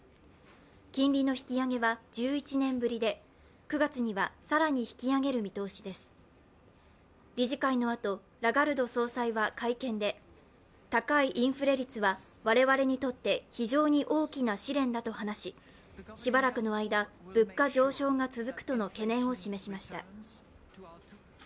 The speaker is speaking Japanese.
金利の引き上げは１１年ぶりで、９月には更に引き上げる見通しです理事会のあと、ラガルド総裁は会見で高いインフレ率は我々にとって非常に大きな試練だと話ししばらくの間、物価上昇が続くとの懸念を示しました。